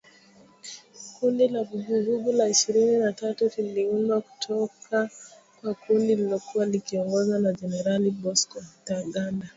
Kundi la Vuguvugu la Ishirini na tatu liliundwa kutoka kwa kundi lililokuwa likiongozwa na Jenerali Bosco Ntaganda